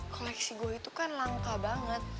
koneksi gue itu kan langka banget